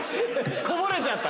こぼれちゃった？